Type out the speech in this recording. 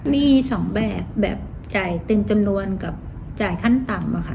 มี๒แบบแบบจ่ายเต็มจำนวนกับจ่ายขั้นต่ำอะค่ะ